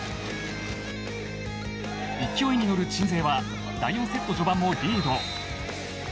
勢いに乗る鎮西は第４セット序盤もリード。